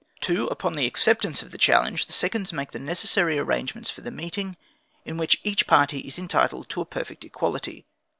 2. Upon the acceptance of the challenge, the seconds make the necessary arrangements for the meeting, in which each party is entitled to a perfect equality.